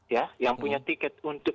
yang punya tiket untuk